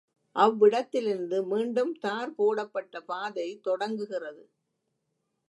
அவ்விடத்திலிருந்து மீண்டும் தார் போடப்பட்ட பாதை தொடங்குகிறது.